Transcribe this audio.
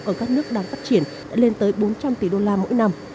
ở các nước đang phát triển đã lên tới bốn trăm linh tỷ đô la mỗi năm